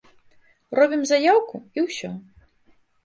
Робім заяўку, і ўсё.